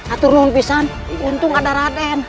aturkan pisan untung ada raden